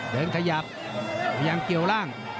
ขยับพยายามเกี่ยวร่าง